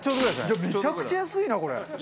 いやめちゃくちゃ安いなこれ！